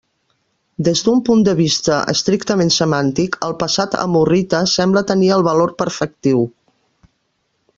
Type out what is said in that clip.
Des d'un punt de vista estrictament semàntic, el passat amorrita sembla tenir el valor perfectiu.